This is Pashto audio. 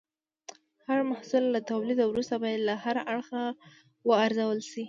هر محصول له تولید وروسته باید له هر اړخه وارزول شي.